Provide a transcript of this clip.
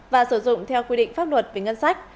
và sử dụng theo quy định pháp luật về ngân sách